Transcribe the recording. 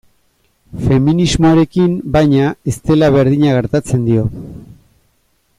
Feminismoarekin, baina, ez dela berdina gertatzen dio.